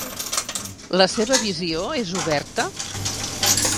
La seva visió és oberta?